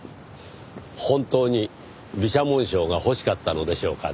本当に美写紋賞が欲しかったのでしょうかねぇ。